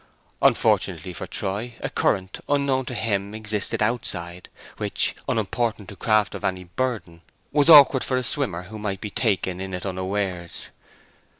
Unfortunately for Troy a current unknown to him existed outside, which, unimportant to craft of any burden, was awkward for a swimmer who might be taken in it unawares.